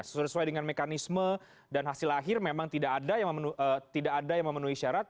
sesuai dengan mekanisme dan hasil akhir memang tidak ada yang memenuhi syarat